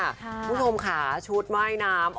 คุณผู้ชมค่ะชุดว่ายน้ำ